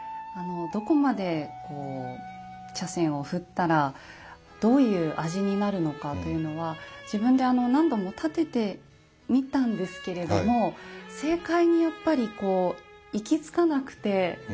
どこまで茶筅を振ったらどういう味になるのかというのは自分で何度も点ててみたんですけれども正解にやっぱりこう行き着かなくて。